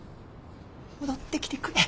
戻ってきてくれ。